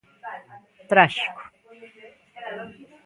Tráxico.